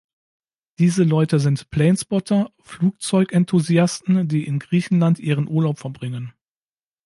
Diese Leute sind plane spotter, Flugzeugenthusiasten, die in Griechenland ihren Urlaub verbringen.